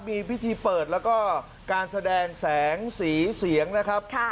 มีพิธีเปิดแล้วก็การแสดงแสงสีเสียงนะครับ